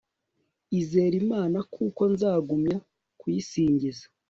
izere imana, kuko nzagumya kuyisingiza